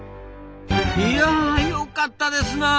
いやあよかったですなあ。